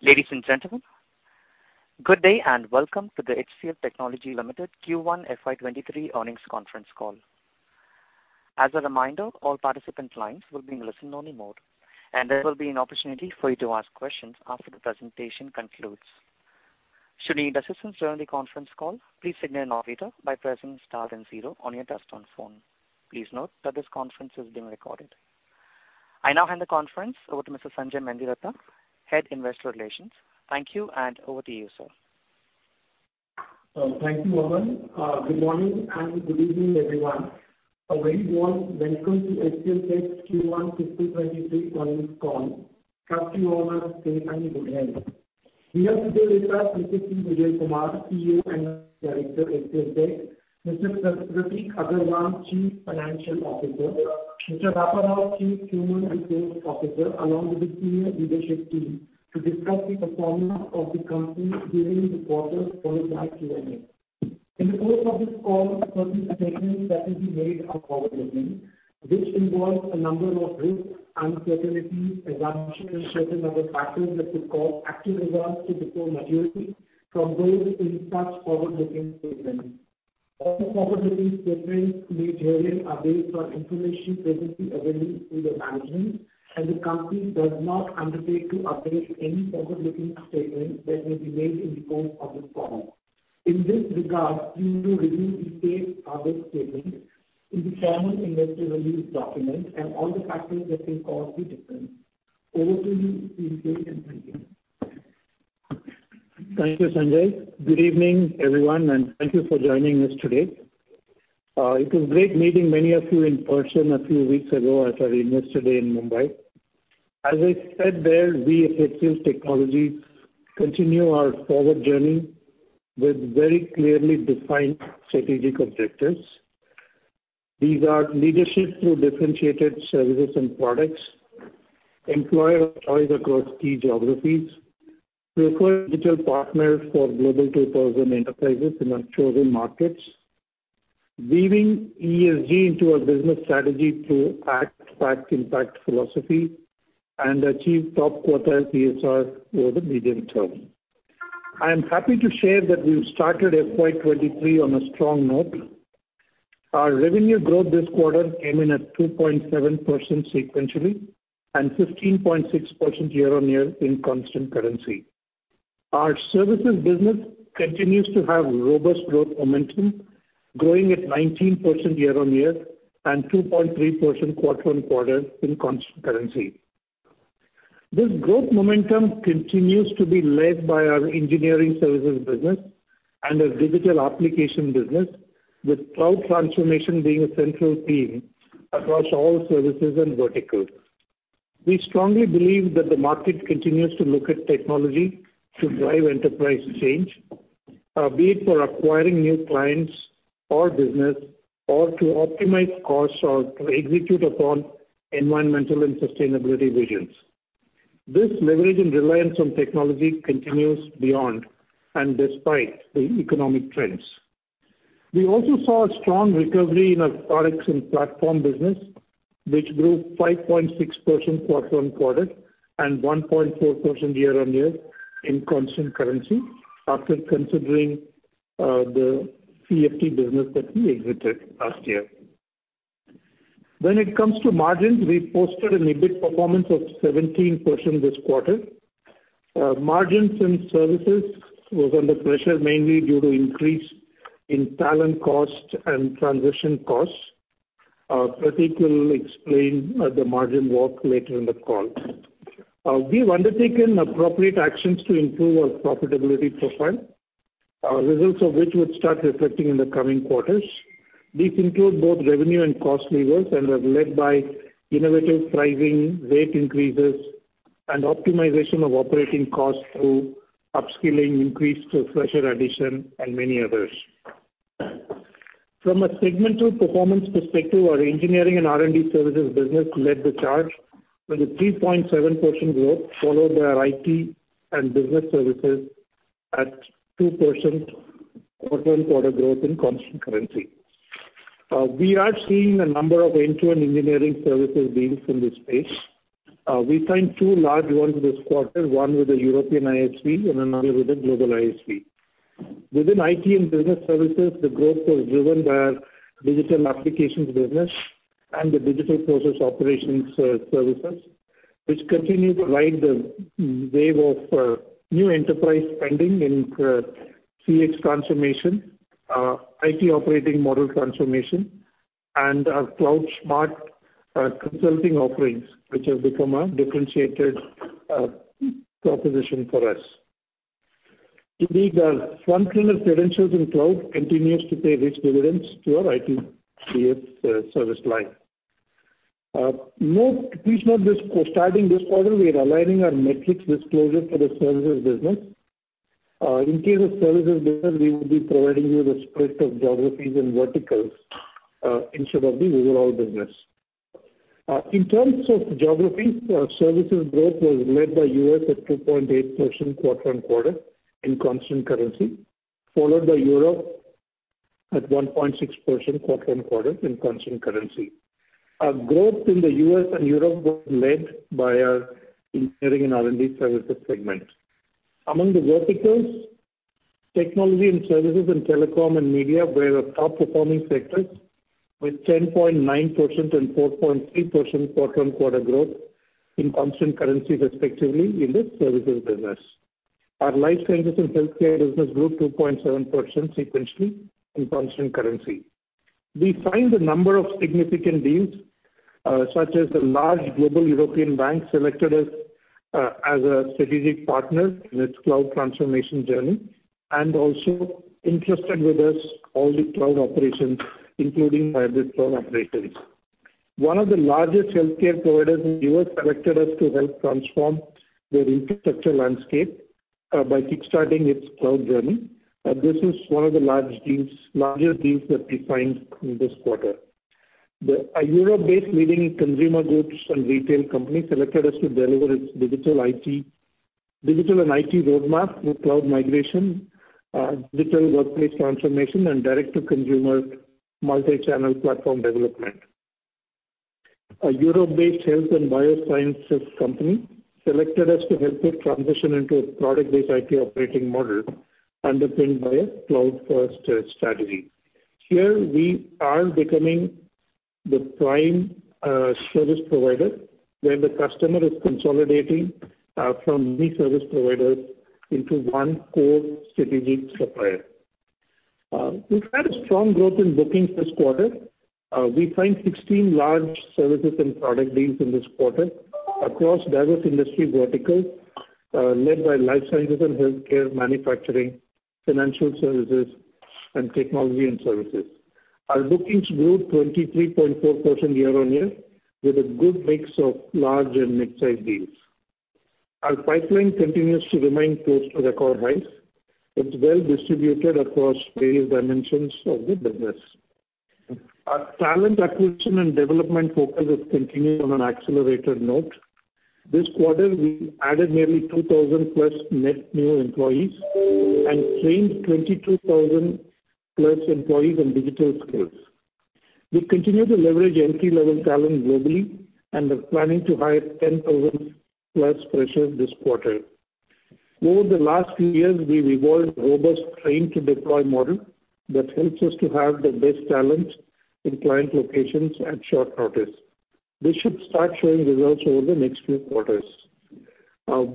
Ladies and gentlemen, good day, and welcome to the HCL Technologies Limited Q1 FY 2023 earnings conference call. As a reminder, all participant lines will be in listen-only mode, and there will be an opportunity for you to ask questions after the presentation concludes. Should you need assistance during the conference call, please signal an operator by pressing star then zero on your touchtone phone. Please note that this conference is being recorded. I now hand the conference over to Mr. Sanjay Mendiratta, Head, Investor Relations. Thank you, and over to you, sir. Thank you, Mohan. Good morning and good evening, everyone. A very warm welcome to HCLTech Q1 2023 earnings call. Keep you all safe and in good health. We have today with us Mr. C. Vijayakumar, CEO and Managing Director, HCLTech, Mr. Prateek Aggarwal, Chief Financial Officer, Mr. Ramachandran Sundararajan, Chief People Officer, along with the senior leadership team to discuss the performance of the company during the quarter for the past year ending. In the course of this call, certain statements that will be made are forward-looking. This involves a number of risks, uncertainties, and assumptions and a certain number of factors that could cause actual results to differ materially from those in such forward-looking statements. All forward-looking statements made herein are based on information presently available to the management, and the company does not undertake to update any forward-looking statements that may be made in the course of this call. In this regard, please do review the safe harbor statements in the formal investor review document and all the factors that may cause the difference. Over to you, Vijay and Prateek. Thank you, Sanjay. Good evening, everyone, and thank you for joining us today. It was great meeting many of you in person a few weeks ago at our Investor Day in Mumbai. As I said there, we at HCL Technologies continue our forward journey with very clearly defined strategic objectives. These are leadership through differentiated services and products, employer of choice across key geographies, preferred digital partner for global 2000 enterprises in our chosen markets, weaving ESG into our business strategy through act, fact, impact philosophy, and achieve top quartile TSR over the medium term. I am happy to share that we've started FY 2023 on a strong note. Our revenue growth this quarter came in at 2.7% sequentially and 15.6% year-over-year in constant currency. Our services business continues to have robust growth momentum, growing at 19% year-on-year and 2.3% quarter-on-quarter in constant currency. This growth momentum continues to be led by our engineering services business and our digital application business, with cloud transformation being a central theme across all services and verticals. We strongly believe that the market continues to look at technology to drive enterprise change, be it for acquiring new clients or business or to optimize costs or to execute upon environmental and sustainability visions. This leverage and reliance on technology continues beyond and despite the economic trends. We also saw a strong recovery in our products and platform business, which grew 5.6% quarter-on-quarter and 1.4% year-on-year in constant currency after considering, the CFT business that we exited last year. When it comes to margins, we posted an EBIT performance of 17% this quarter. Margins in services was under pressure mainly due to increase in talent costs and transition costs. Prateek will explain the margin walk later in the call. We've undertaken appropriate actions to improve our profitability profile, results of which would start reflecting in the coming quarters. These include both revenue and cost levers and are led by innovative pricing, rate increases, and optimization of operating costs through upskilling, increased resource addition and many others. From a segmental performance perspective, our Engineering and R&D Services business led the charge with a 3.7% growth, followed by our IT and Business Services at 2% quarter-on-quarter growth in constant currency. We are seeing a number of end-to-end engineering services deals in this space. We signed two large ones this quarter, one with a European ISV and another with a global ISV. Within IT and Business Services, the growth was driven by our digital applications business and the digital process operations services, which continue to ride the M&A wave of new enterprise spending in CX transformation, IT operating model transformation, and our CloudSMART consulting offerings, which have become a differentiated proposition for us. Indeed, our functional credentials in cloud continues to pay rich dividends to our IT and CX service line. Please note this, starting this quarter, we are aligning our metrics disclosure for the services business. In case of services business, we will be providing you the split of geographies and verticals instead of the overall business. In terms of geography, our services growth was led by U.S. at 2.8% quarter-on-quarter in constant currency, followed by Europe at 1.6% quarter-on-quarter in constant currency. Our growth in the U.S. and Europe was led by our engineering and R&D services segment. Among the verticals, technology and services and telecom and media were the top performing sectors with 10.9% and 4.3% quarter-on-quarter growth in constant currency, respectively, in the services business. Our life sciences and healthcare business grew 2.7% sequentially in constant currency. We signed a number of significant deals, such as the large global European bank selected us as a strategic partner in its cloud transformation journey, and also entrusted us with all the cloud operations, including hybrid cloud operations. One of the largest healthcare providers in U.S. selected us to help transform their infrastructure landscape by kick-starting its cloud journey. This is one of the larger deals that we signed in this quarter. A Europe-based leading consumer goods and retail company selected us to deliver its digital and IT roadmap with cloud migration, digital workplace transformation and direct-to-consumer multi-channel platform development. A Europe-based health and biosciences company selected us to help it transition into a product-based IT operating model underpinned by a cloud-first strategy. Here we are becoming the prime service provider, where the customer is consolidating from many service providers into one core strategic supplier. We've had a strong growth in bookings this quarter. We signed 16 large services and product deals in this quarter across diverse industry verticals led by life sciences and healthcare, manufacturing, financial services and technology and services. Our bookings grew 23.4% year-on-year with a good mix of large and mid-sized deals. Our pipeline continues to remain close to record highs. It's well distributed across various dimensions of the business. Our talent acquisition and development focus is continuing on an accelerated note. This quarter, we added nearly 2,000+ net new employees and trained 22,000+ employees on digital skills. We continue to leverage entry-level talent globally and are planning to hire 10,000+ freshers this quarter. Over the last few years, we've evolved robust train-to-deploy model that helps us to have the best talent in client locations at short notice. This should start showing results over the next few quarters.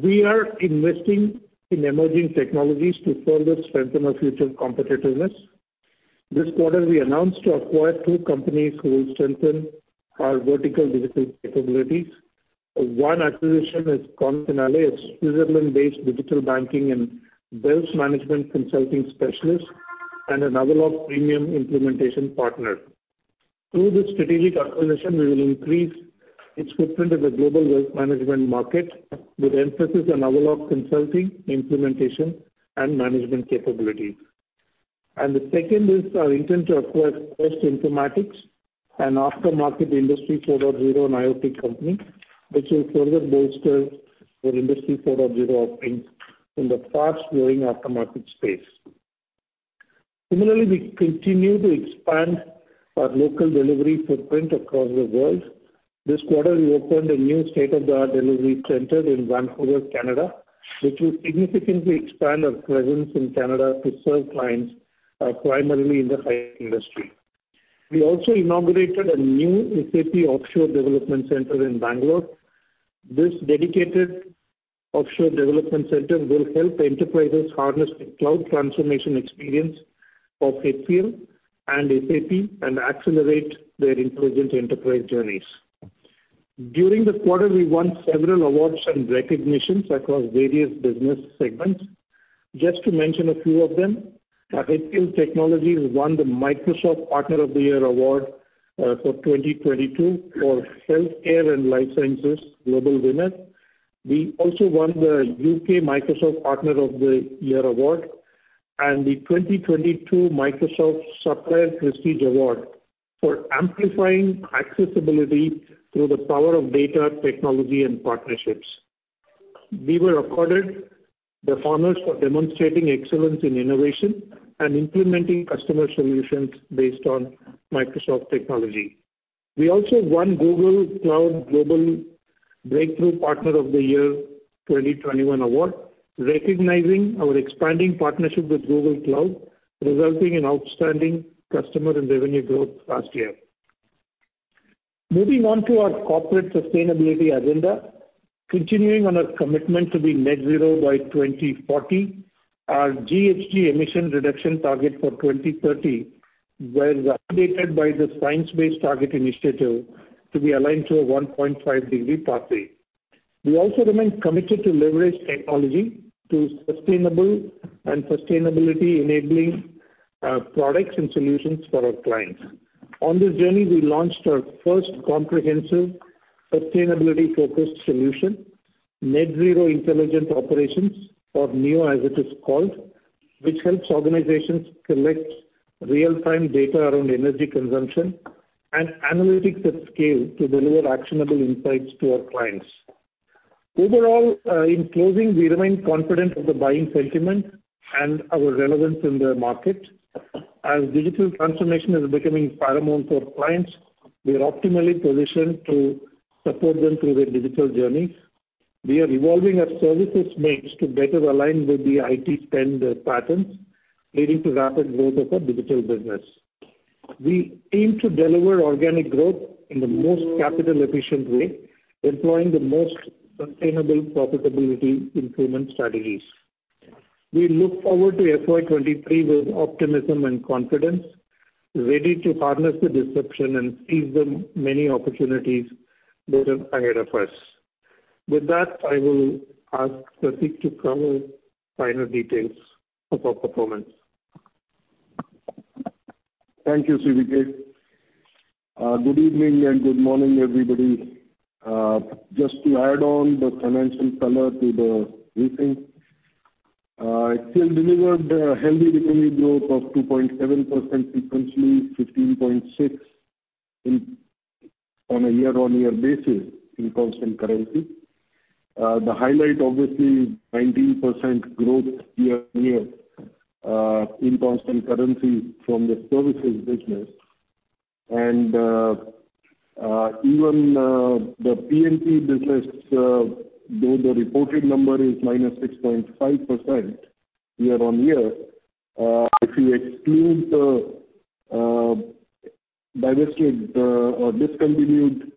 We are investing in emerging technologies to further strengthen our future competitiveness. This quarter we announced to acquire two companies who will strengthen our vertical digital capabilities. One acquisition is Confinale, a Switzerland-based digital banking and wealth management consulting specialist and an Avaloq premium implementation partner. Through this strategic acquisition, we will increase its footprint in the global wealth management market with emphasis on Avaloq consulting, implementation, and management capabilities. The second is our intent to acquire Quest Informatics, an aftermarket Industry 4.0 and IoT company, which will further bolster our Industry 4.0 offerings in the fast-growing aftermarket space. Similarly, we continue to expand our local delivery footprint across the world. This quarter, we opened a new state-of-the-art delivery center in Vancouver, Canada, which will significantly expand our presence in Canada to serve clients primarily in the hi-tech industry. We also inaugurated a new SAP Offshore Development Center in Bangalore. This dedicated offshore development center will help enterprises harness the cloud transformation experience of HCL and SAP and accelerate their intelligent enterprise journeys. During the quarter, we won several awards and recognitions across various business segments. Just to mention a few of them, HCL Technologies won the Microsoft Partner of the Year award for 2022 for Healthcare and Life Sciences Global Winner. We also won the UK Microsoft Partner of the Year award and the 2022 Microsoft Supplier Prestige Award for amplifying accessibility through the power of data, technology and partnerships. We were accorded the honors for demonstrating excellence in innovation and implementing customer solutions based on Microsoft technology. We also won Google Cloud Global Breakthrough Partner of the Year 2021 award, recognizing our expanding partnership with Google Cloud, resulting in outstanding customer and revenue growth last year. Moving on to our corporate sustainability agenda. Continuing on our commitment to be net zero by 2040, our GHG emission reduction target for 2030 was updated by the Science Based Targets initiative to be aligned to a 1.5-degree pathway. We also remain committed to leverage technology to sustainable and sustainability-enabling products and solutions for our clients. On this journey, we launched our first comprehensive sustainability-focused solution, Net Zero Intelligent Operations, or NIO, as it is called, which helps organizations collect real-time data around energy consumption and analytics at scale to deliver actionable insights to our clients. Overall, in closing, we remain confident of the buying sentiment and our relevance in the market. As digital transformation is becoming paramount for clients, we are optimally positioned to support them through their digital journey. We are evolving our services mix to better align with the IT spend patterns, leading to rapid growth of our digital business. We aim to deliver organic growth in the most capital efficient way, employing the most sustainable profitability improvement strategies. We look forward to FY 2023 with optimism and confidence, ready to harness the disruption and seize the many opportunities that are ahead of us. With that, I will ask Prateek to cover final details of our performance. Thank you, C. Vijayakumar. Good evening and good morning, everybody. Just to add on the financial color to the briefing. It still delivered a healthy revenue growth of 2.7% sequentially, 15.6% on a year-on-year basis in constant currency. The highlight obviously 19% growth year-on-year in constant currency from the services business and even the P&P business, though the reported number is -6.5% year-on-year, if you exclude the divested or discontinued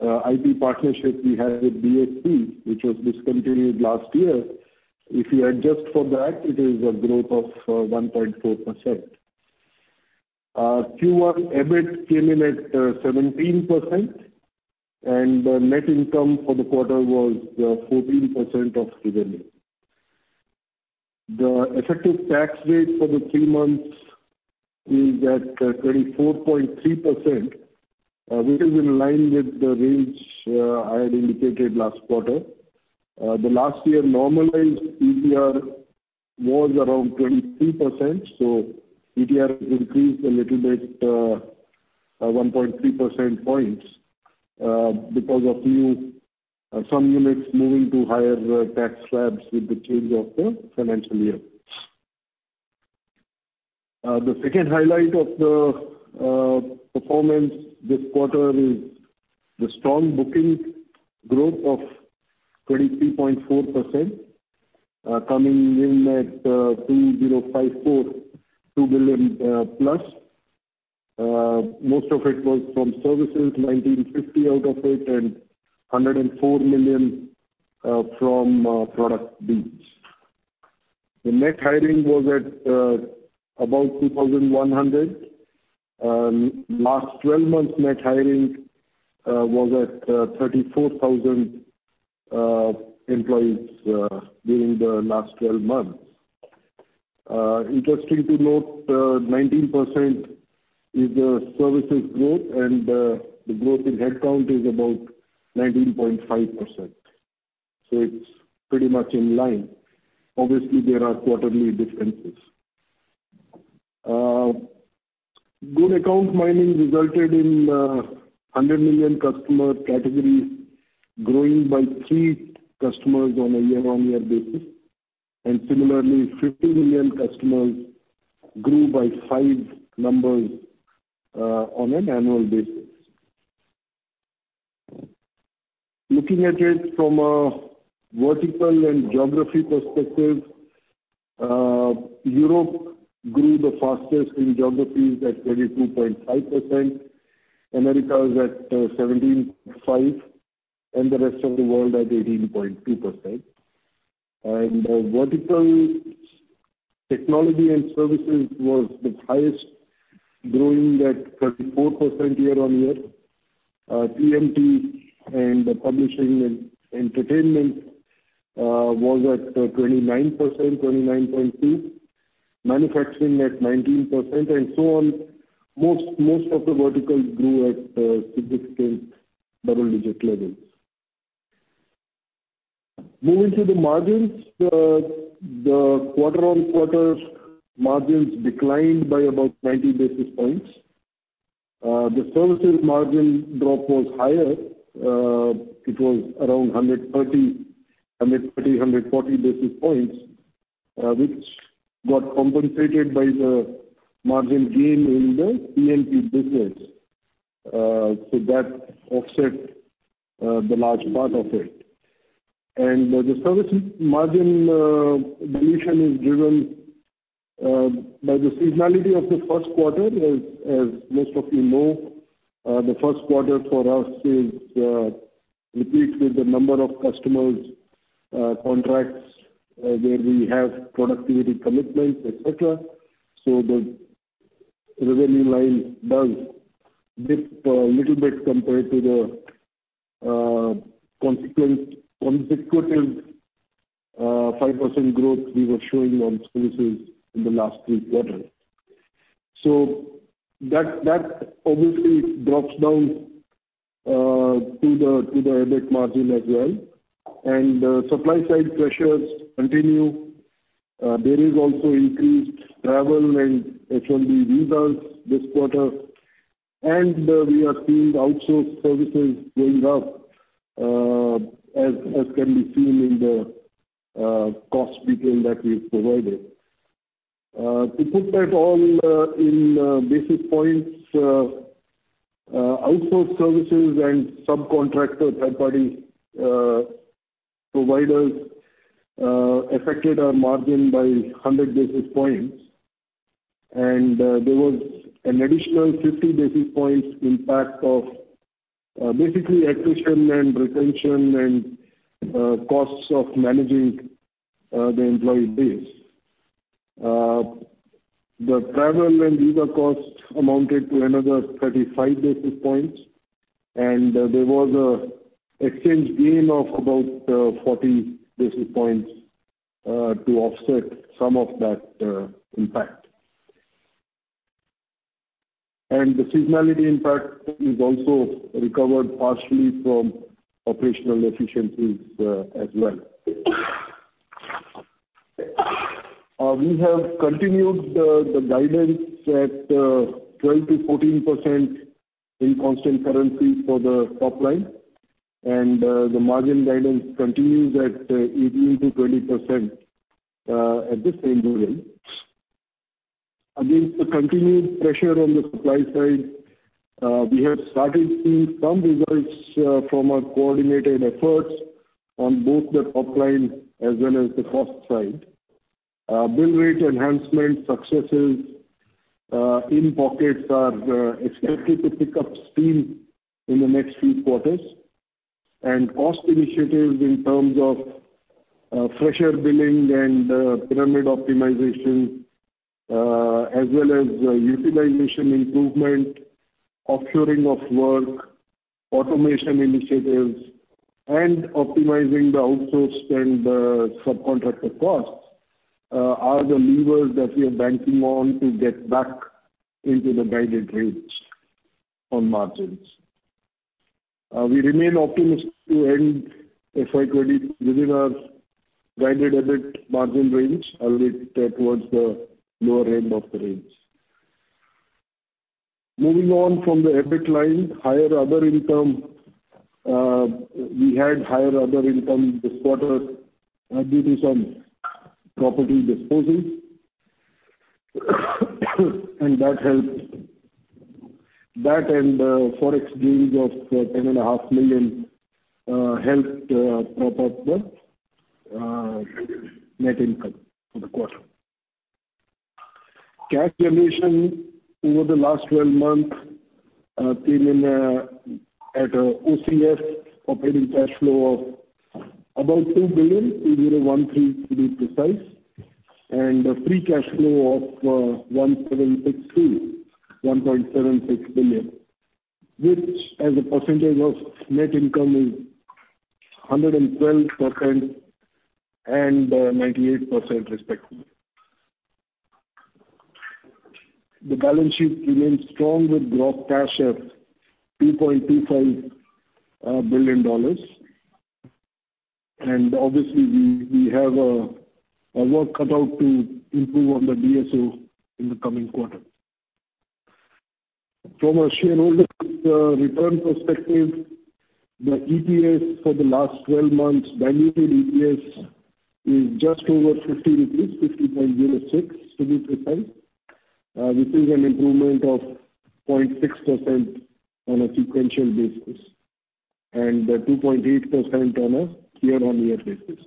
IT partnership we had with BHP, which was discontinued last year. If you adjust for that, it is a growth of 1.4%. Q1 EBIT came in at 17%, and net income for the quarter was 14% of revenue. The effective tax rate for the three months is at 24.3%, which is in line with the range I had indicated last quarter. The last year normalized ETR was around 23%, so ETR increased a little bit 1.3 percentage points because of some new units moving to higher tax slabs with the change of the financial year. The second highlight of the performance this quarter is the strong booking growth of 23.4%, coming in at 2.0542 billion+. Most of it was from services, 1.95 billion out of it, and 104 million from products business. The net hiring was at about 2,100. Last twelve months net hiring was at 34,000 employees during the last twelve months. Interesting to note, 19% is the services growth and the growth in headcount is about 19.5%. It's pretty much in line. Obviously, there are quarterly differences. Good account mining resulted in 100 million customer category growing by 3 customers on a year-on-year basis. Similarly, 50 million customers grew by 5 customers on an annual basis. Looking at it from a vertical and geography perspective, Europe grew the fastest in geographies at 22.5%. America was at 17.5%, and the rest of the world at 18.2%. Verticals, technology and services was the highest growing at 34% year-on-year. P&P and publishing and entertainment was at 29%, 29.2. Manufacturing at 19% and so on. Most of the verticals grew at significant double-digit levels. Moving to the margins, the quarter-on-quarter margins declined by about 90 basis points. The services margin drop was higher. It was around 130-140 basis points, which got compensated by the margin gain in the P&P business. So that offset the large part of it. The services margin dilution is driven by the seasonality of the first quarter. As most of you know, the first quarter for us is replete with the number of customers, contracts, where we have productivity commitments, et cetera. The revenue line does dip a little bit compared to the consecutive 5% growth we were showing on services in the last three quarters. That obviously drops down to the EBIT margin as well. Supply-side pressures continue. There is also increased travel and H-1B visas this quarter. We are seeing outsourced services going up, as can be seen in the cost detail that we've provided. To put that all in basis points, outsourced services and subcontractor third-party providers affected our margin by 100 basis points. There was an additional 50 basis points impact of basically acquisition and retention and costs of managing the employee base. The travel and visa costs amounted to another 35 basis points. There was an exchange gain of about 40 basis points to offset some of that impact. The seasonality impact is also recovered partially from operational efficiencies as well. We have continued the guidance at 12%-14% in constant currency for the top line. The margin guidance continues at 18%-20% at this same level. Against the continued pressure on the supply side, we have started to see some results from our coordinated efforts on both the top line as well as the cost side. Bill rate enhancement successes in pockets are expected to pick up steam in the next few quarters. Cost initiatives in terms of, fresher billing and, pyramid optimization, as well as, utilization improvement, off-shoring of work, automation initiatives, and optimizing the outsourced and the subcontractor costs, are the levers that we are banking on to get back into the guided range on margins. We remain optimistic to end FY 2020 within our guided EBIT margin range, albeit, towards the lower end of the range. Moving on from the EBIT line, higher other income. We had higher other income this quarter, due to some property disposals. That helped. That and Forex gains of 10.5 million, helped, prop up the, net income for the quarter. Cash generation over the last 12 months came in at OCF, operating cash flow of about 2.013 billion to be precise. A free cash flow of 1.762 billion. Which as a percentage of net income is 112% and 98% respectively. The balance sheet remains strong with gross cash of INR 2.25 billion. Obviously we have a work cut out to improve on the DSO in the coming quarter. From a shareholder return perspective, the EPS for the last 12 months, diluted EPS is just over 50 rupees, 50.06 to be precise. Which is an improvement of 0.6% on a sequential basis. 2.8% on a year-on-year basis.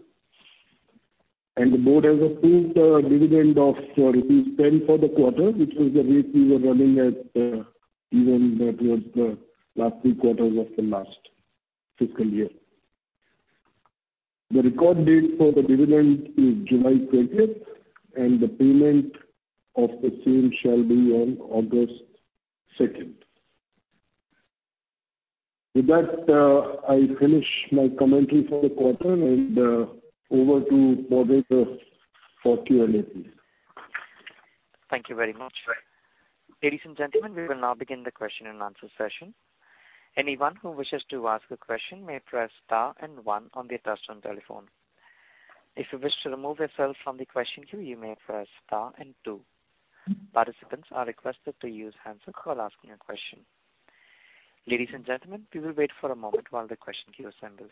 The board has approved a dividend of rupees 10 for the quarter, which was the rate we were running at, even towards the last three quarters of the last fiscal year. The record date for the dividend is July twentieth, and the payment of the same shall be on August second. With that, I finish my commentary for the quarter and over to moderator for Q&A please. Thank you very much. Ladies and gentlemen, we will now begin the question-and-answer session. Anyone who wishes to ask a question may press star and one on their touch-tone telephone. If you wish to remove yourself from the question queue, you may press star and two. Participants are requested to use hands-free while asking a question. Ladies and gentlemen, we will wait for a moment while the question queue assembles.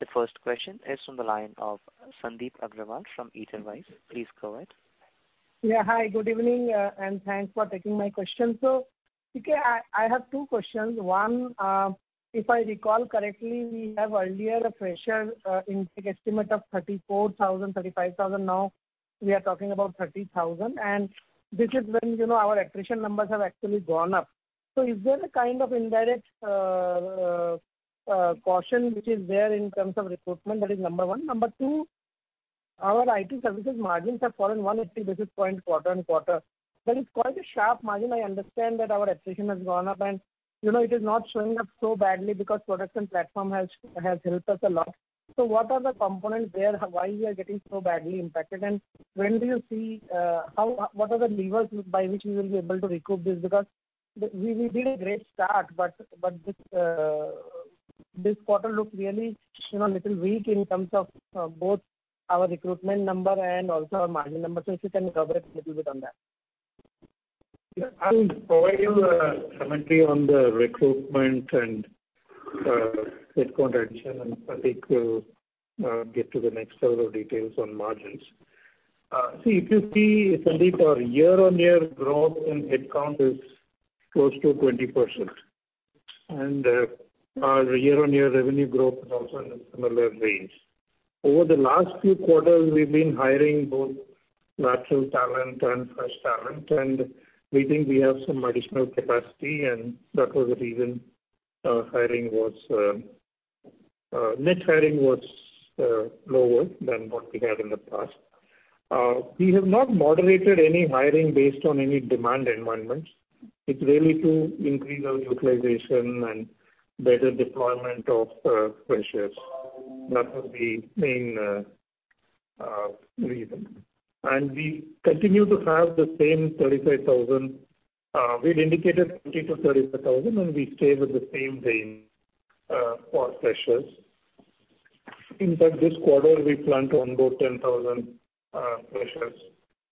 The first question is from the line of Sandip Agarwal from Edelweiss. Please go ahead. Hi, good evening. Thanks for taking my question. C. Vijayakumar, I have two questions. One, if I recall correctly, we have earlier a fresher intake estimate of 34,000, 35,000. Now we are talking about 30,000. This is when, you know, our attrition numbers have actually gone up. Is there a kind of indirect caution which is there in terms of recruitment? That is number one. Number two, our IT services margins have fallen 180 basis points quarter-on-quarter. That is quite a sharp margin. I understand that our attrition has gone up and, you know, it is not showing up so badly because Products and Platforms has helped us a lot. What are the components there? Why we are getting so badly impacted? When do you see what are the levers by which we will be able to recoup this? Because we did a great start, but this quarter looked really, you know, little weak in terms of both our recruitment number and also our margin numbers. If you can cover a little bit on that. Yeah. I'll provide you commentary on the recruitment and headcount addition, and Prateek will get to the next set of details on margins. If you see, Sandip, our year-on-year growth in headcount is close to 20%. Our year-on-year revenue growth is also in a similar range. Over the last few quarters, we've been hiring both lateral talent and fresh talent, and we think we have some additional capacity, and that was the reason our net hiring was lower than what we had in the past. We have not moderated any hiring based on any demand environments. It's really to increase our utilization and better deployment of freshers. That was the main reason. We continue to have the same 35,000. We'd indicated 30,000-35,000, and we stayed with the same range for freshers. In fact, this quarter we plan to onboard 10,000 freshers,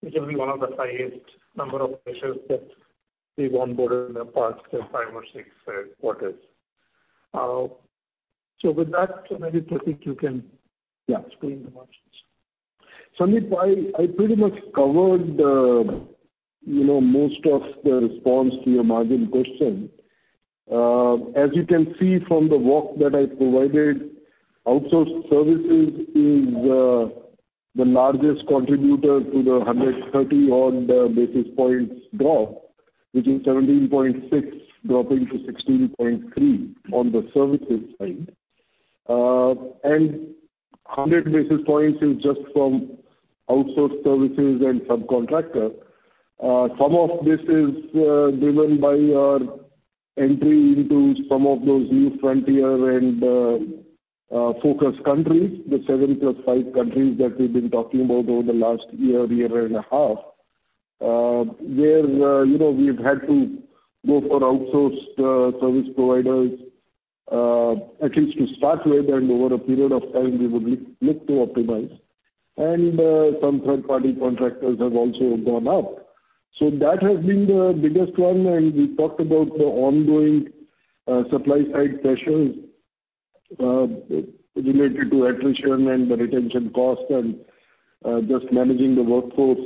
which will be one of the highest number of freshers that we've onboarded in the past five or six quarters. With that, maybe Prateek, you can explain the margins. Sandip, I pretty much covered, you know, most of the response to your margin question. As you can see from the walk that I provided, outsourced services is the largest contributor to the 130-odd basis points drop, which is 17.6 dropping to 16.3 on the services side. 100 basis points is just from outsourced services and subcontractor. Some of this is driven by our entry into some of those new frontier and focus countries, the 75 countries that we've been talking about over the last year and a half, where you know, we've had to go for outsourced service providers, at least to start with, and over a period of time we would look to optimize. Some third party contractors have also gone up. That has been the biggest one, and we talked about the ongoing supply side pressures related to attrition and the retention cost and just managing the workforce.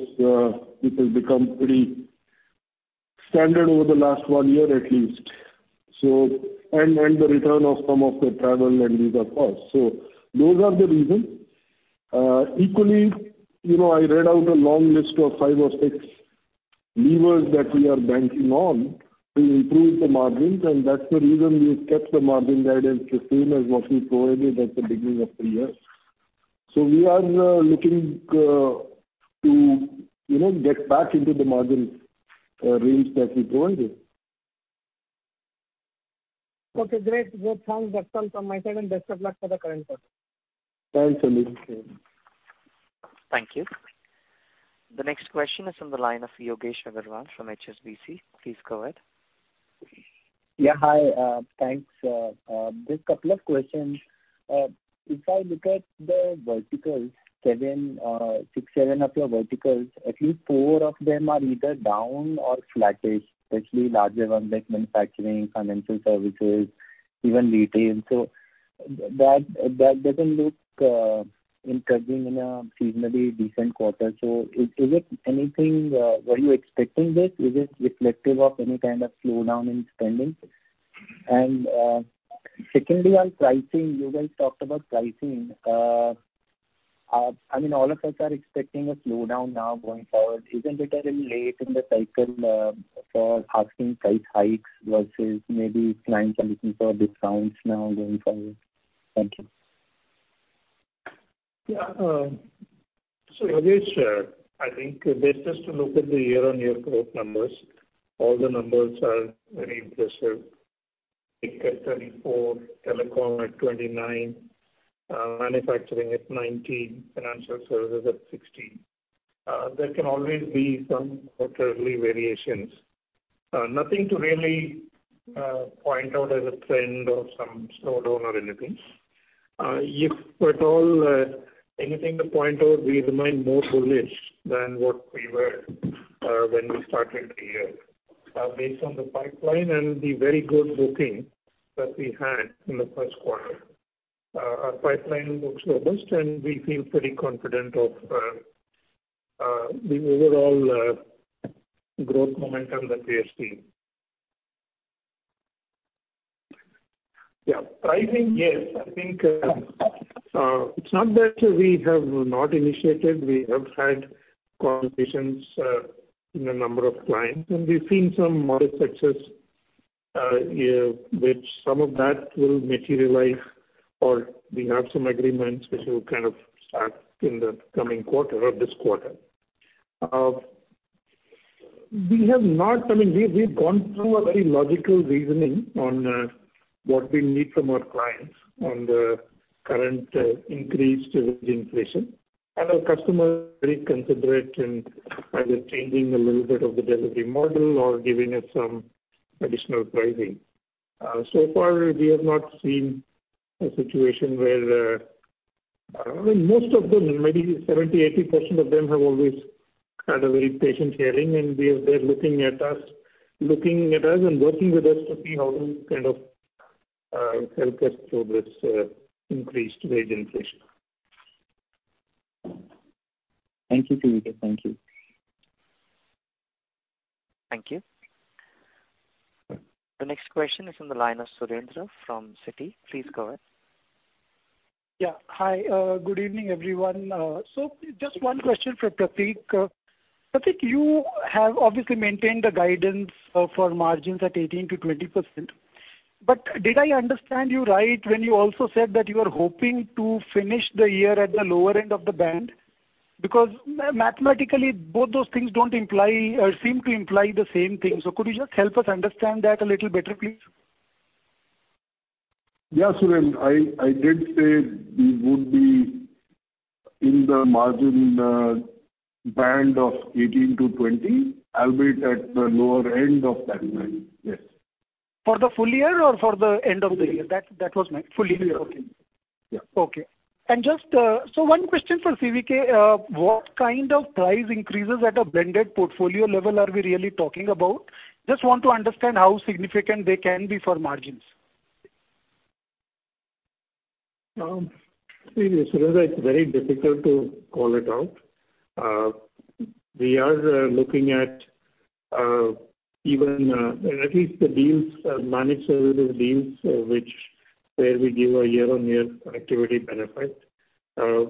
It has become pretty standard over the last one year at least. The return of some of the travel and these are costs. Those are the reasons. Equally, you know, I read out a long list of five or six levers that we are banking on to improve the margins, and that's the reason we have kept the margin guidance the same as what we provided at the beginning of the year. We are looking to, you know, get back into the margin range that we promised. Okay, great. Well, thanks. That's all from my side, and best of luck for the current quarter. Thanks, Sandip. Thank you. The next question is from the line of Yogesh Aggarwal from HSBC. Please go ahead. Yeah, hi. Thanks. Just couple of questions. If I look at the verticals, six, seven of your verticals, at least four of them are either down or flattish, especially larger ones like manufacturing, financial services, even retail. That doesn't look encouraging in a seasonally decent quarter. Is it anything? Were you expecting this? Is it reflective of any kind of slowdown in spending? Secondly on pricing, you guys talked about pricing. I mean, all of us are expecting a slowdown now going forward. Isn't it a little late in the cycle for asking price hikes versus maybe clients are looking for discounts now going forward? Thank you. Yeah. So Yogesh, I think best is to look at the year-on-year growth numbers. All the numbers are very impressive. Tech at 34%, telecom at 29%, manufacturing at 19%, financial services at 16%. There can always be some quarterly variations. Nothing to really point out as a trend or some slowdown or anything. If at all, anything to point out, we remain more bullish than what we were when we started the year based on the pipeline and the very good booking that we had in the first quarter. Our pipeline looks robust, and we feel pretty confident of the overall growth momentum that we are seeing. Yeah. Pricing, yes. I think it's not that we have not initiated. We have had conversations with a number of clients, and we've seen some modest success, yeah, which some of that will materialize or we have some agreements which will kind of start in the coming quarter or this quarter. We have not. I mean, we've gone through a very logical reasoning on what we need from our clients on the current increase to wage inflation and our customers very considerate in either changing a little bit of the delivery model or giving us some additional pricing. So far we have not seen a situation where, I mean, most of them, maybe 70%-80% of them have always had a very patient hearing, and they're looking at us and working with us to see how to kind of help us through this increased wage inflation. Thank you, C. Vijayakumar. Thank you. Thank you. The next question is from the line of Surendra from Citi. Please go ahead. Yeah. Hi. Good evening, everyone. Just one question for Prateek. Prateek, you have obviously maintained the guidance for margins at 18%-20%. Did I understand you right when you also said that you are hoping to finish the year at the lower end of the band? Mathematically, both those things don't imply or seem to imply the same thing. Could you just help us understand that a little better, please? Yeah, Surendra. I did say we would be in the margin band of 18%-20%, albeit at the lower end of that range. Yes. For the full year or for the end of the year? That was my- Full year. Okay. Yeah. Okay. Just one question for C. Vijayakumar. What kind of price increases at a blended portfolio level are we really talking about? Just want to understand how significant they can be for margins. Surendra, it's very difficult to call it out. We are looking at even at least the deals, managed services deals, where we give a year-on-year productivity benefit.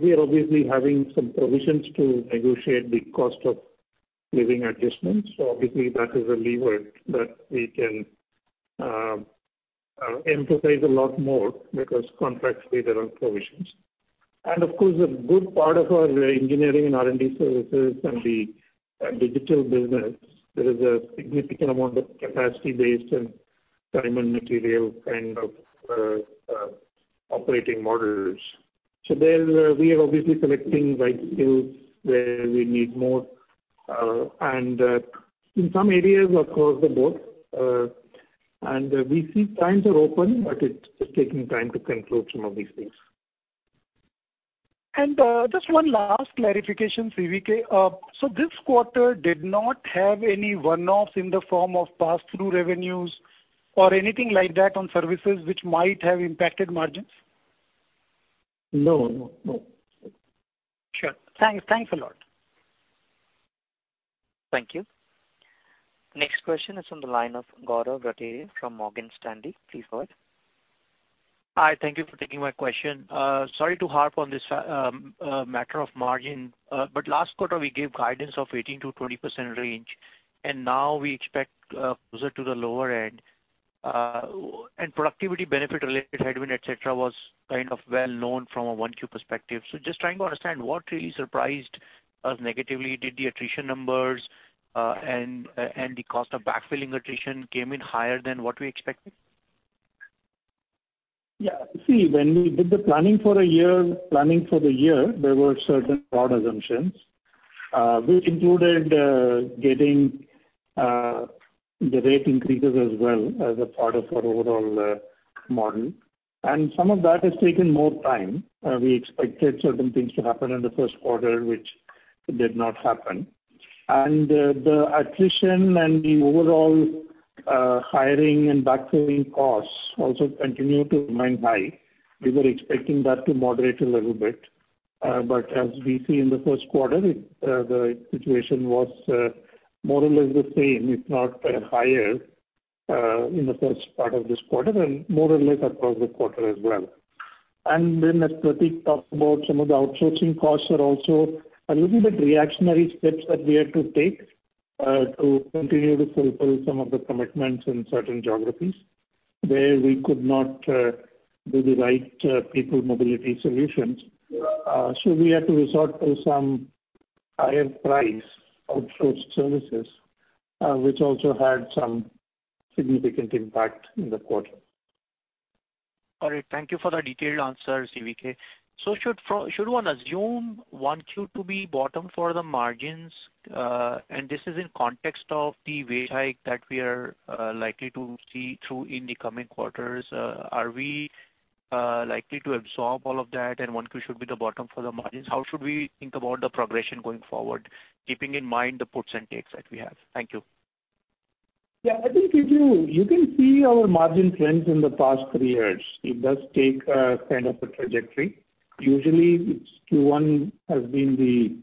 We are obviously having some provisions to negotiate the cost of living adjustments, so obviously that is a lever that we can emphasize a lot more because contractually there are provisions. Of course, a good part of our Engineering and R&D Services and the digital business, there is a significant amount of capacity-based and time-and-material kind of operating models. There we are obviously selecting right deals where we need more, and in some areas across the board, and we see signs are open, but it's taking time to conclude some of these things. Just one last clarification, C. Vijayakumar. This quarter did not have any one-offs in the form of passthrough revenues or anything like that on services which might have impacted margins? No, no. Sure. Thanks. Thanks a lot. Thank you. Next question is on the line of Gaurav Rateria from Morgan Stanley. Please go ahead. Hi. Thank you for taking my question. Sorry to harp on this, matter of margin, but last quarter, we gave guidance of 18%-20% range, and now we expect closer to the lower end. Productivity benefit related headwind, et cetera, was kind of well-known from a Q1 perspective. Just trying to understand what really surprised us negatively. Did the attrition numbers and the cost of backfilling attrition came in higher than what we expected? Yeah. See, when we did the planning for the year, there were certain broad assumptions, which included getting the rate increases as well as a part of our overall model. Some of that has taken more time. We expected certain things to happen in the first quarter which did not happen. The attrition and the overall hiring and backfilling costs also continue to remain high. We were expecting that to moderate a little bit. But as we see in the first quarter, the situation was more or less the same, if not higher, in the first part of this quarter and more or less across the quarter as well. As Prateek talked about, some of the outsourcing costs are also a little bit reactionary steps that we had to take to continue to fulfill some of the commitments in certain geographies where we could not do the right people mobility solutions. We had to resort to some higher price outsourced services, which also had some significant impact in the quarter. All right. Thank you for the detailed answer, C. Vijayakumar. Should one assume Q1 to be bottom for the margins? This is in context of the wage hike that we are likely to see through in the coming quarters. Are we likely to absorb all of that and Q1 should be the bottom for the margins? How should we think about the progression going forward, keeping in mind the puts and takes that we have? Thank you. Yeah. I think if you can see our margin trends in the past three years. It does take a kind of a trajectory. Usually it's Q1 has been the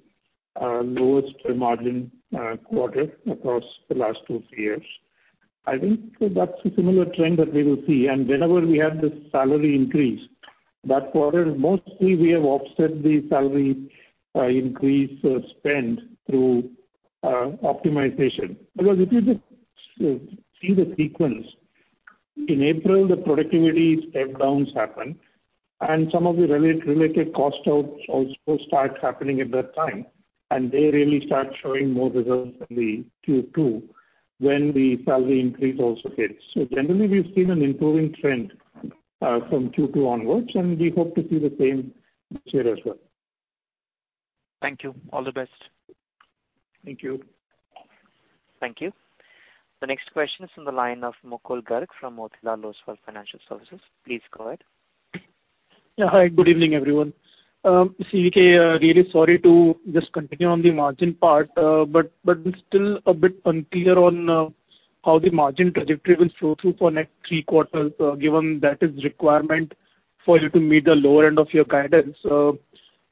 lowest margin quarter across the last two, three years. I think that's a similar trend that we will see. Whenever we have this salary increase, that quarter mostly we have offset the salary increase spend through optimization. Because if you just see the sequence, in April the productivity step-downs happen. Some of the re-related cost outs also start happening at that time, and they really start showing more results in the Q2 when the salary increase also hits. Generally, we've seen an improving trend from Q2 onwards, and we hope to see the same this year as well. Thank you. All the best. Thank you. Thank you. The next question is from the line of Mukul Garg from Motilal Oswal Financial Services. Please go ahead. Yeah, hi. Good evening, everyone. C. Vijayakumar, really sorry to just continue on the margin part, but it's still a bit unclear on how the margin trajectory will flow through for next three quarters, given the requirement for you to meet the lower end of your guidance. Do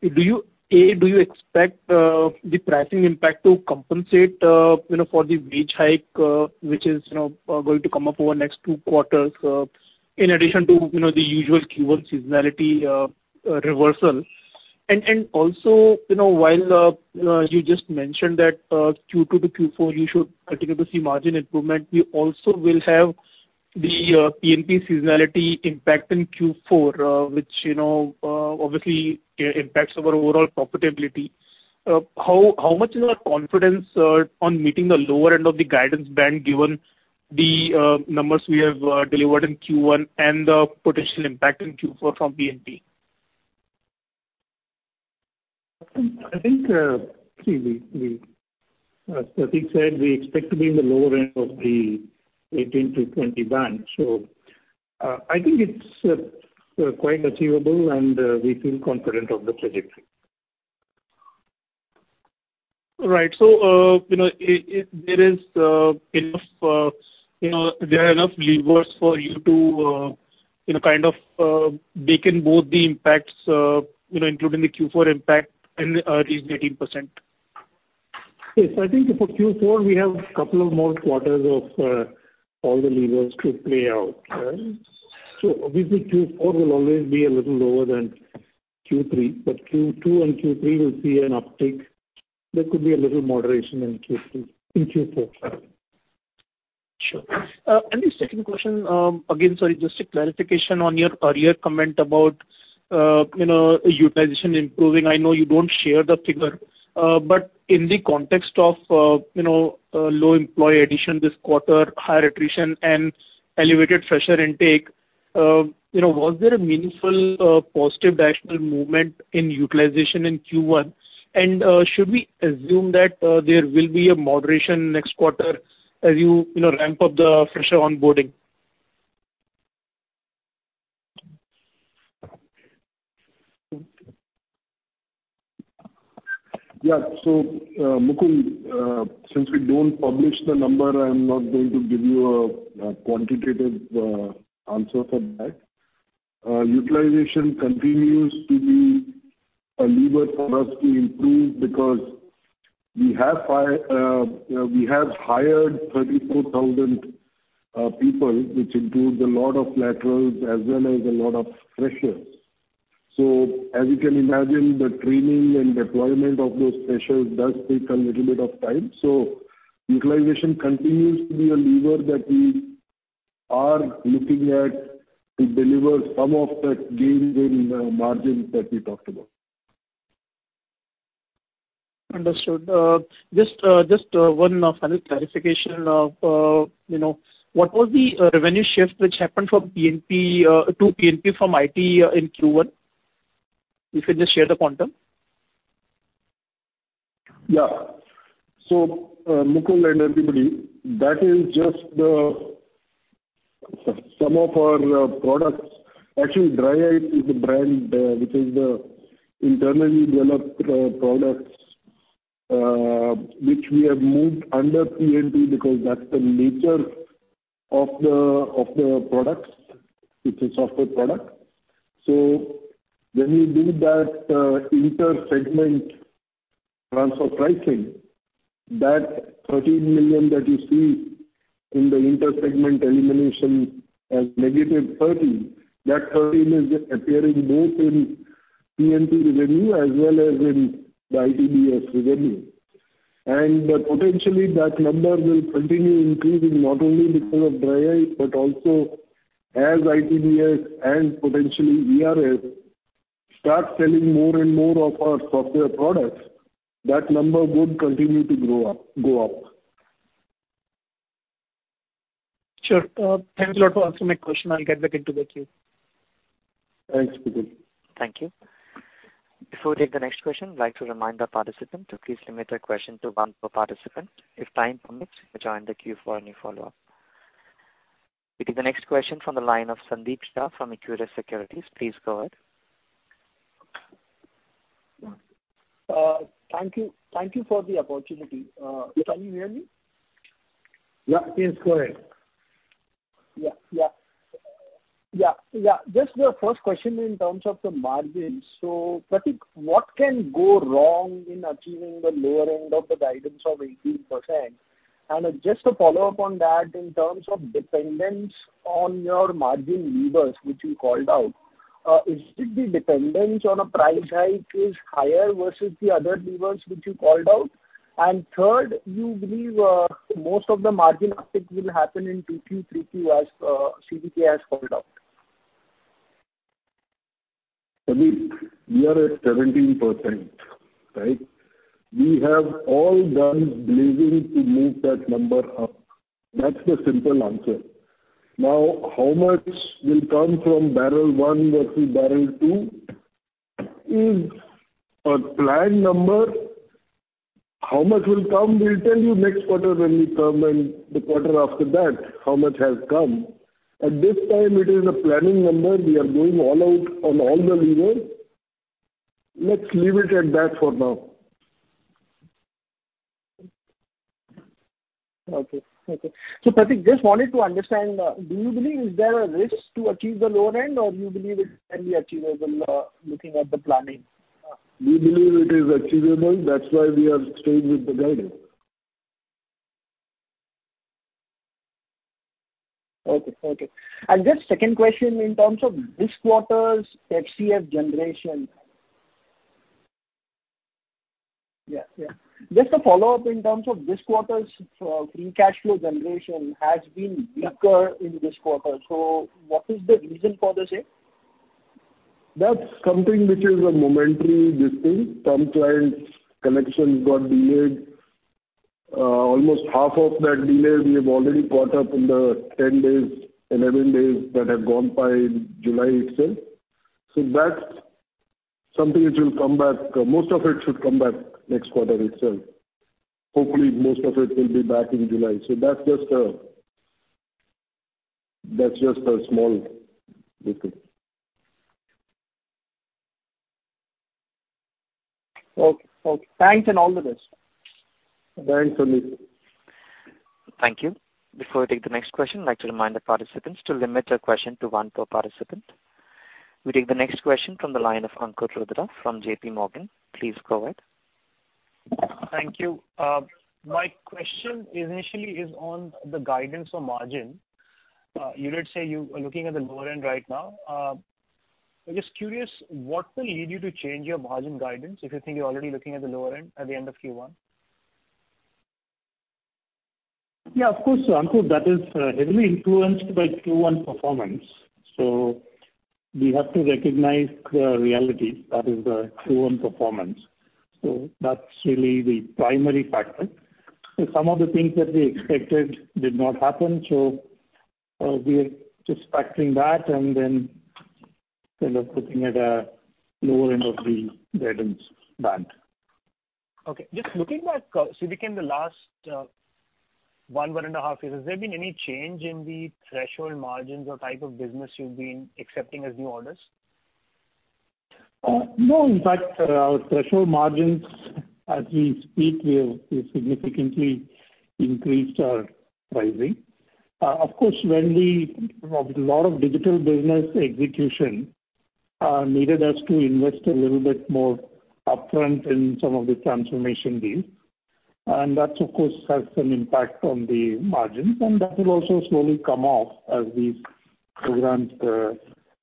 you expect the pricing impact to compensate, you know, for the wage hike, which is, you know, going to come up over the next two quarters, in addition to, you know, the usual Q1 seasonality reversal? Also, you know, while you just mentioned that Q2 to Q4 you should continue to see margin improvement, we also will have the P&P seasonality impact in Q4, which, you know, obviously, impacts our overall profitability. How much is our confidence on meeting the lower end of the guidance band given the numbers we have delivered in Q1 and the potential impact in Q4 from P&P? I think Prateek said we expect to be in the lower end of the 18%-20% band. I think it's quite achievable and we feel confident of the trajectory. All right. There are enough levers for you to, you know, kind of, bake in both the impacts, you know, including the Q4 impact and reach 18%. Yes. I think for Q4, we have couple of more quarters of all the levers to play out, right? Obviously, Q4 will always be a little lower than Q3, but Q2 and Q3 will see an uptick. There could be a little moderation in Q4, sorry. Sure. The second question, again, sorry, just a clarification on your earlier comment about, you know, utilization improving. I know you don't share the figure. In the context of, you know, low employee addition this quarter, higher attrition and elevated fresher intake, you know, was there a meaningful, positive directional movement in utilization in Q1? Should we assume that, there will be a moderation next quarter as you know, ramp up the fresher onboarding? Yeah. Mukul, since we don't publish the number, I'm not going to give you a quantitative answer for that. Utilization continues to be a lever for us to improve because we have hired 34,000 people, which includes a lot of laterals as well as a lot of freshers. Utilization continues to be a lever that we are looking at to deliver some of that gain in margins that we talked about. Understood. Just one final clarification of, you know, what was the revenue shift which happened from P&P to P&P from IT in Q1? If you just share the quantum. Yeah. Mukul and everybody, that is just some of our products. Actually, DRYiCE is a brand, which is the internally developed products, which we have moved under P&P because that's the nature of the products. It's a software product. So when we do that, inter-segment transfer pricing, that 13 million that you see in the inter-segment elimination as negative 13, that 13 is appearing both in P&P revenue as well as in the ITBS revenue. Potentially, that number will continue increasing not only because of DRYiCE, but also as ITBS and potentially ERS start selling more and more of our software products, that number would continue to grow up, go up. Sure. Thanks a lot for answering my question. I'll get back into the queue. Thanks, Mukul. Thank you. Before we take the next question, I'd like to remind our participants to please limit their question to one per participant. If time permits, you may join the queue for any follow-up. We take the next question from the line of Sandeep Shah from Equirus Securities. Please go ahead. Thank you. Thank you for the opportunity. Can you hear me? Yeah. Yes, go ahead. Yeah. Just the first question in terms of the margins. Prateek, what can go wrong in achieving the lower end of the guidance of 18%? Just to follow up on that, in terms of dependence on your margin levers which you called out, is it the dependence on a price hike higher versus the other levers which you called out? Third, do you believe most of the margin uptick will happen in Q2, Q3 as C. Vijayakumar has pointed out? Sandeep, we are at 17%, right? We are all in on believing to move that number up. That's the simple answer. Now, how much will come from bucket one versus bucket two is a planned number. How much will come, we'll tell you next quarter when we come, and the quarter after that, how much has come. At this time it is a planning number. We are going all out on all the levers. Let's leave it at that for now. Okay. Prateek, just wanted to understand, do you believe is there a risk to achieve the lower end, or do you believe it can be achievable, looking at the planning? We believe it is achievable. That's why we have stayed with the guidance. Okay. Just second question in terms of this quarter's FCF generation. Yeah. Just a follow-up in terms of this quarter's free cash flow generation has been weaker in this quarter. What is the reason for the same? That's something which is a momentary dispute. Some clients' connections got delayed. Almost half of that delay we have already caught up in the 10 days, 11 days that have gone by in July itself. That's something which will come back. Most of it should come back next quarter itself. Hopefully, most of it will be back in July. That's just a small dispute. Okay. Thanks, and all the best. Thanks, Sandeep. Thank you. Before we take the next question, I'd like to remind the participants to limit their question to one per participant. We take the next question from the line of Ankur Rudra from JPMorgan. Please go ahead. Thank you. My question initially is on the guidance for margin. You did say you are looking at the lower end right now. I'm just curious what will lead you to change your margin guidance if you think you're already looking at the lower end at the end of Q1? Yeah, of course. Ankur, that is heavily influenced by Q1 performance. We have to recognize the reality that is the Q1 performance. That's really the primary factor. Some of the things that we expected did not happen. We are just factoring that and then kind of looking at a lower end of the guidance band. Okay. Just looking back, within the last 1.5 years, has there been any change in the threshold margins or type of business you've been accepting as new orders? No. In fact, our threshold margins as we speak, we have significantly increased our pricing. Of course, a lot of digital business execution needed us to invest a little bit more upfront in some of the transformation deals. That, of course, has some impact on the margins, and that will also slowly come off as these programs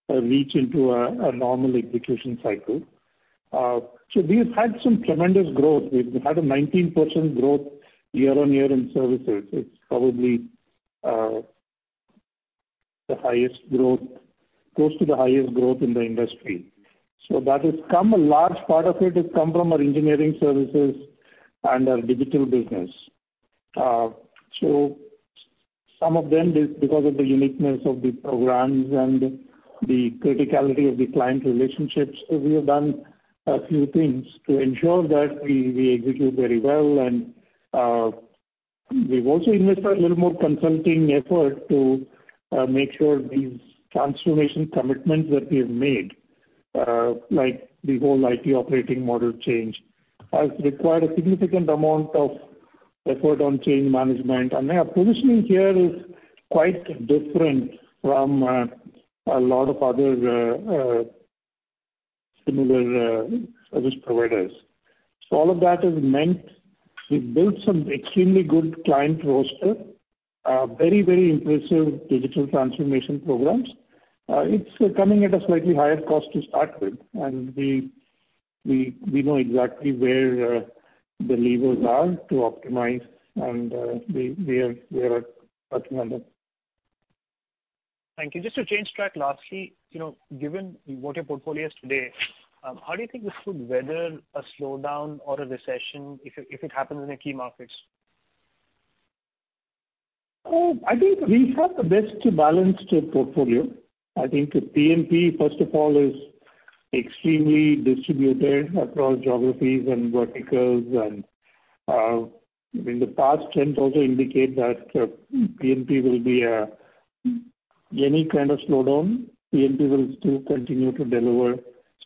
reach into a normal execution cycle. We have had some tremendous growth. We've had a 19% growth year-over-year in services. It's probably the highest growth, close to the highest growth in the industry. That has come, a large part of it has come from our engineering services and our digital business. Some of them is because of the uniqueness of the programs and the criticality of the client relationships. We have done a few things to ensure that we execute very well. We've also invested a little more consulting effort to make sure these transformation commitments that we have made, like the whole IT operating model change, has required a significant amount of effort on change management. Our positioning here is quite different from a lot of other similar service providers. All of that has meant we've built some extremely good client roster, very, very impressive digital transformation programs. It's coming at a slightly higher cost to start with. We know exactly where the levers are to optimize and we are working on that. Thank you. Just to change track lastly, you know, given what your portfolio is today, how do you think this could weather a slowdown or a recession if it happens in the key markets? I think we have the best balanced portfolio. I think the P&P, first of all, is extremely distributed across geographies and verticals. I mean, the past trends also indicate that P&P will still continue to deliver.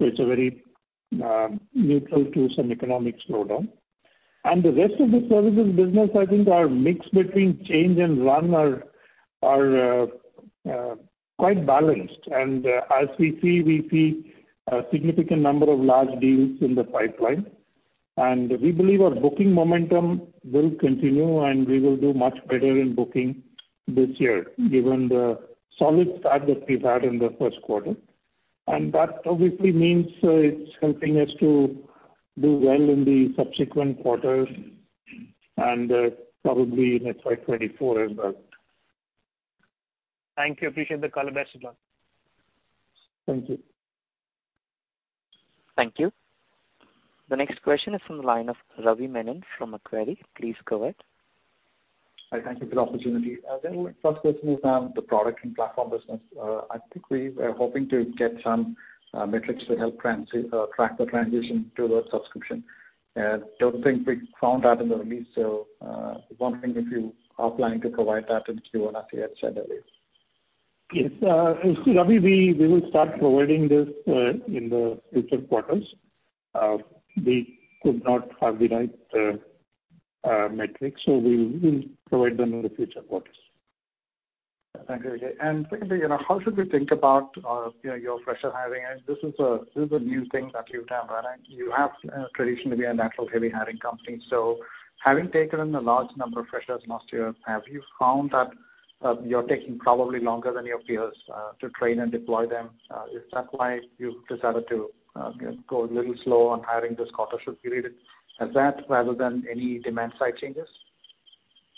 It's a very neutral to some economic slowdown. The rest of the services business, I think, our mix between change and run are quite balanced. We see a significant number of large deals in the pipeline. We believe our booking momentum will continue, and we will do much better in booking this year given the solid start that we've had in the first quarter. That obviously means it's helping us to do well in the subsequent quarters and probably in FY 2024 as well. Thank you. Appreciate the color. Best of luck. Thank you. Thank you. The next question is from the line of Ravi Menon from Macquarie. Please go ahead. Hi. Thank you for the opportunity. Gentlemen, first question is on the Products and Platforms business. I think we were hoping to get some metrics to help track the transition to the subscription. I don't think we found that in the release, so I was wondering if you are planning to provide that in Q1. Yes, Ravi, we will start providing this in the future quarters. We could not have the right metrics, so we'll provide them in the future quarters. Thank you, CV. Secondly, you know, how should we think about your fresher hiring? This is a new thing that you've done, right? You have traditionally been a naturally heavy hiring company. So having taken in a large number of freshers last year, have you found that you're taking probably longer than your peers to train and deploy them? Is that why you've decided to go a little slow on hiring this quarter? Should that be read as that rather than any demand-side changes?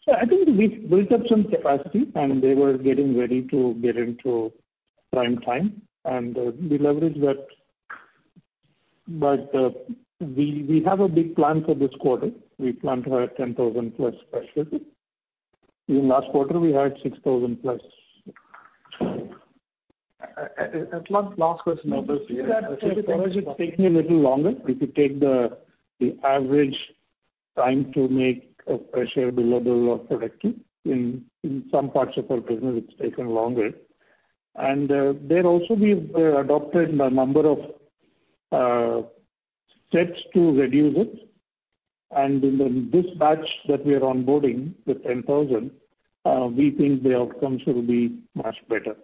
I think we've built up some capacity, and they were getting ready to get into prime time, and we leveraged that. We have a big plan for this quarter. We plan to hire 10,000+ freshers. In last quarter, we hired 6,000+. That's the last question on this. Yeah. Is that fresh hire? It's taking a little longer. If you take the average time to make a fresher billable or productive, in some parts of our business, it's taken longer. There also we've adopted a number of steps to reduce it. In this batch that we are onboarding, the 10,000, we think the outcomes will be much better.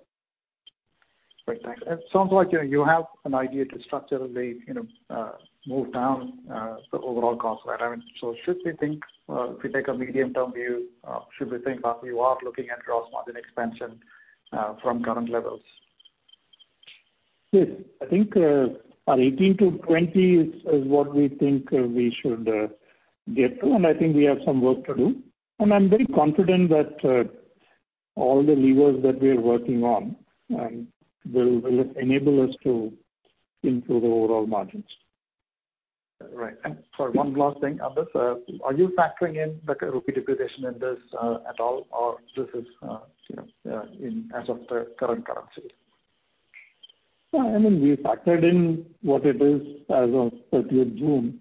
Great. Thanks. It sounds like you have an idea to structurally, you know, move down the overall cost, right? I mean, if we take a medium-term view, should we think that you are looking at gross margin expansion from current levels? Yes. I think our 18%-20% is what we think we should get to, and I think we have some work to do. I'm very confident that all the levers that we are working on will enable us to improve the overall margins. Right. Sorry, one last thing on this. Are you factoring in the rupee depreciation in this at all? Or this is, you know, in as of the current currency? No. I mean, we factored in what it is as of thirtieth June.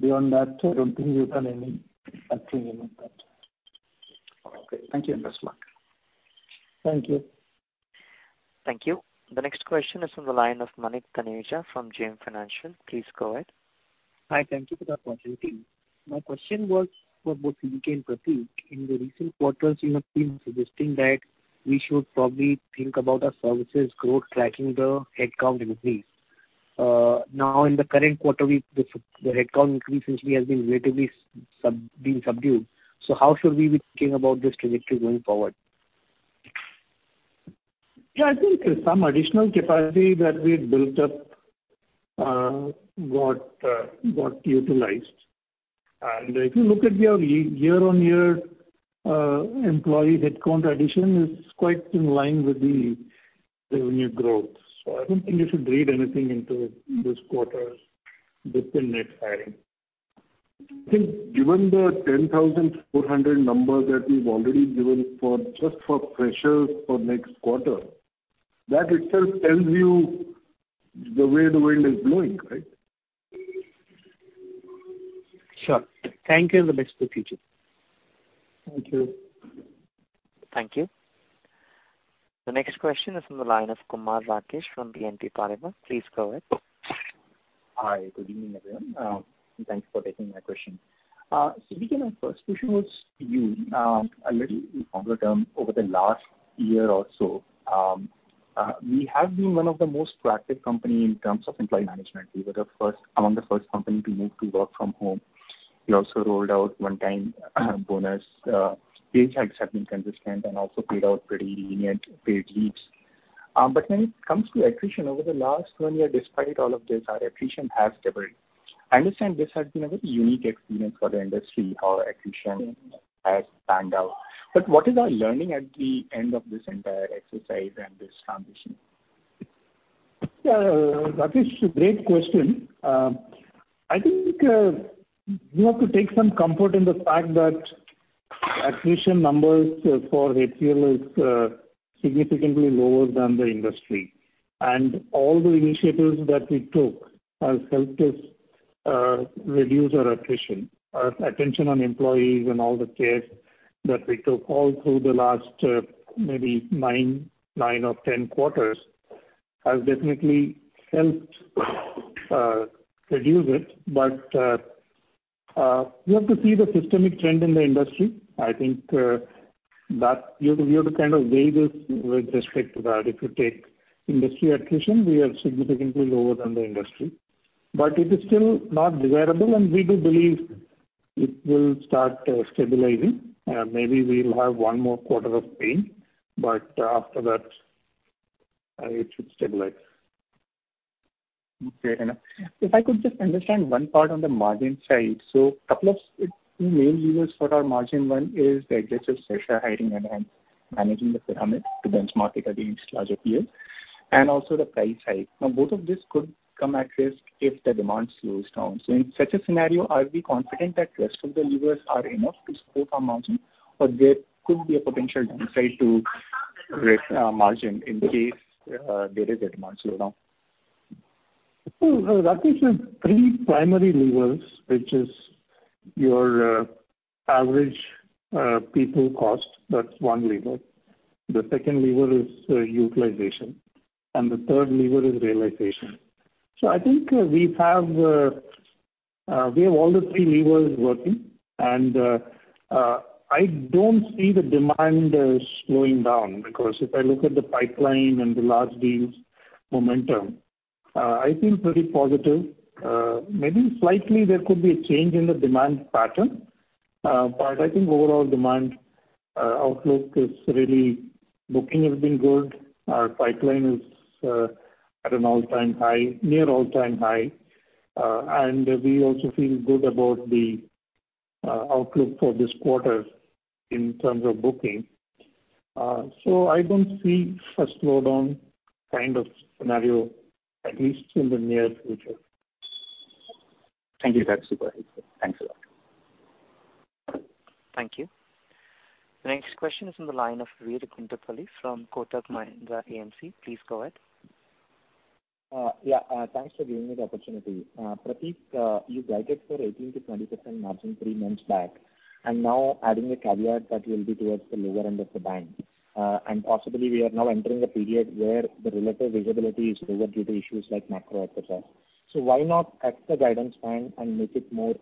Beyond that, I don't think we've done any factoring in on that. Okay. Thank you. Best luck. Thank you. Thank you. The next question is from the line of Manik Taneja from JM Financial. Please go ahead. Hi. Thank you for the opportunity. My question was for both C. Vijayakumar and Prateek. In the recent quarters, you have been suggesting that we should probably think about our services growth tracking the headcount increase. Now, in the current quarter, the headcount increase recently has been relatively subdued. How should we be thinking about this trajectory going forward? Yeah, I think some additional capacity that we'd built up got utilized. If you look at our year-on-year employee headcount addition, it's quite in line with the revenue growth. I don't think you should read anything into this quarter's dip in net hiring. I think given the 10,400 number that we've already given for just for freshers for next quarter, that itself tells you the way the wind is blowing, right? Sure. Thank you, and the best for future. Thank you. Thank you. The next question is from the line of Kumar Rakesh from BNP Paribas. Please go ahead. Hi. Good evening, everyone. Thanks for taking my question. My first question was to you. A little longer term, over the last year or so, we have been one of the most proactive company in terms of employee management. We were among the first company to move to work from home. We also rolled out one-time bonus. Pay hikes have been consistent and also paid out pretty lenient paid leaves. When it comes to attrition, over the last one year, despite all of this, our attrition has doubled. I understand this has been a very unique experience for the industry, how attrition has panned out. What is our learning at the end of this entire exercise and this transition? Yeah, Rakesh, great question. I think you have to take some comfort in the fact that attrition numbers for HCL is significantly lower than the industry. All the initiatives that we took has helped us reduce our attrition. Our attention on employees and all the care that we took all through the last maybe nine or 10 quarters has definitely helped reduce it. You have to see the systemic trend in the industry. I think that you have to kind of weigh this with respect to that. If you take industry attrition, we are significantly lower than the industry. It is still not desirable, and we do believe it will start stabilizing. Maybe we'll have one more quarter of pain, but after that it should stabilize. Okay. If I could just understand one part on the margin side. Couple of two main levers for our margin. One is the excessive fresher hiring and managing the pyramid to benchmark it against larger peers, and also the price side. Now, both of this could come at risk if the demand slows down. In such a scenario, are we confident that rest of the levers are enough to support our margin, or there could be a potential downside to our margin in case there is a demand slowdown? Kumar, the three primary levers, which is your average people cost, that's one lever. The second lever is utilization, and the third lever is realization. I think we have all the three levers working. I don't see the demand slowing down, because if I look at the pipeline and the large deals momentum, I feel pretty positive. Maybe slightly there could be a change in the demand pattern. I think overall demand outlook is really good. Booking has been good. Our pipeline is at an all-time high, near all-time high. We also feel good about the outlook for this quarter in terms of booking. I don't see a slowdown kind of scenario, at least in the near future. Thank you. That's super. Thanks a lot. Thank you. The next question is on the line of Sudheer Guntupalli from Kotak Mahindra AMC. Please go ahead. Thanks for giving me the opportunity. Prateek, you guided for 18%-20% margin three months back, and now adding a caveat that you will be towards the lower end of the band. Possibly we are now entering a period where the relative visibility is lower due to issues like macro, et cetera. Why not cut the guidance band and make it more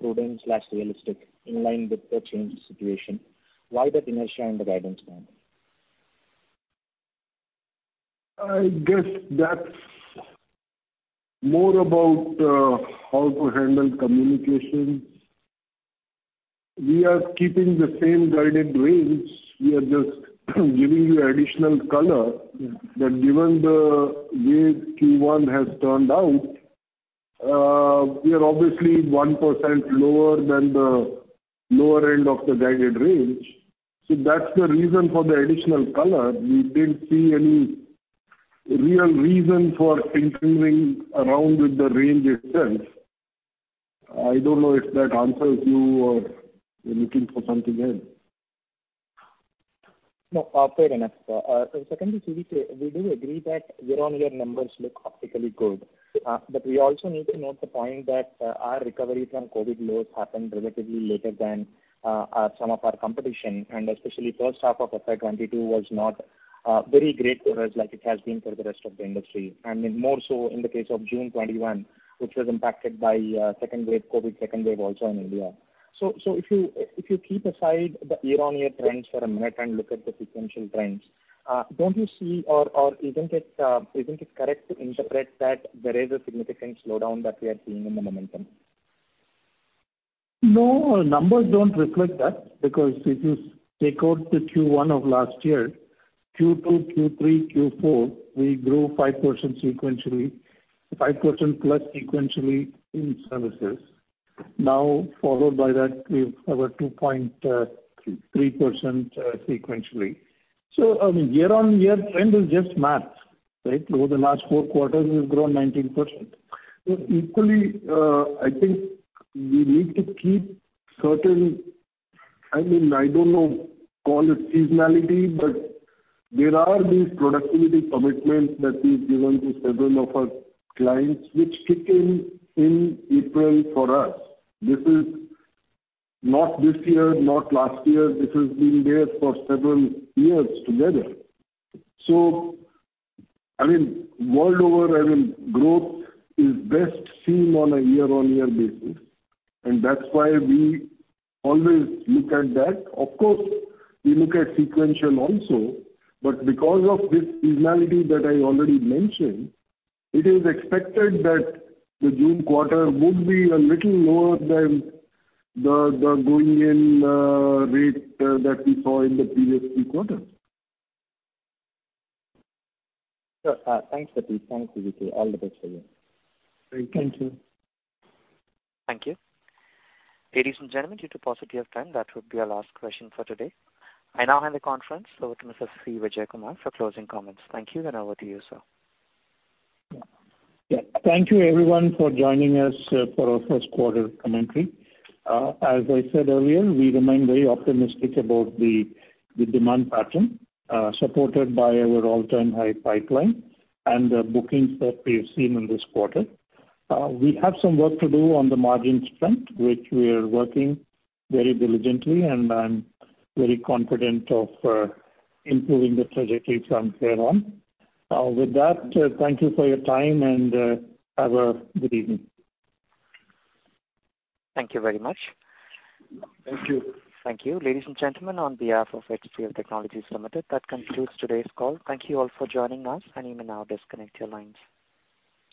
prudent/realistic in line with the changed situation? Why the inertia in the guidance band? I guess that's more about how to handle communication. We are keeping the same guided range. We are just giving you additional color that given the way Q1 has turned out, we are obviously 1% lower than the lower end of the guided range. That's the reason for the additional color. We didn't see any real reason for tinkering around with the range itself. I don't know if that answers you or you're looking for something else. No. Fair enough. Secondly, C. Vijayakumar, we do agree that year-over-year numbers look optically good. We also need to note the point that our recovery from COVID lows happened relatively later than some of our competition, and especially first half of FY 2022 was not very great for us like it has been for the rest of the industry. More so in the case of June 2021, which was impacted by second wave, COVID second wave also in India. So if you keep aside the year-over-year trends for a minute and look at the sequential trends, don't you see or isn't it correct to interpret that there is a significant slowdown that we are seeing in the momentum? No. Our numbers don't reflect that because if you take out the Q1 of last year, Q2, Q3, Q4, we grew 5% sequentially, 5% plus sequentially in services. Now followed by that is our 2.3% sequentially. So, I mean, year-on-year trend is just math, right? Over the last four quarters, we've grown 19%. Equally, I think we need to keep certain, I mean, I don't know, call it seasonality, but there are these productivity commitments that we've given to several of our clients which kick in in April for us. This is not this year, not last year. This has been there for several years together. So, I mean, world over, I mean, growth is best seen on a year-on-year basis, and that's why we always look at that. Of course, we look at sequential also. Because of this seasonality that I already mentioned, it is expected that the June quarter would be a little lower than the going in rate that we saw in the previous three quarters. Sure. Thanks, Prateek. Thanks, C. Vijayakumar. All the best for you. Thank you. Thank you. Ladies and gentlemen, due to paucity of time, that would be our last question for today. I now hand the conference over to Mr. C. Vijayakumar for closing comments. Thank you, and over to you, sir. Yeah. Thank you everyone for joining us for our first quarter commentary. As I said earlier, we remain very optimistic about the demand pattern, supported by our all-time high pipeline and the bookings that we have seen in this quarter. We have some work to do on the margins front, which we are working very diligently, and I'm very confident of improving the trajectory from here on. With that, thank you for your time, and have a good evening. Thank you very much. Thank you. Thank you. Ladies and gentlemen, on behalf of HCL Technologies Limited, that concludes today's call. Thank you all for joining us, and you may now disconnect your lines.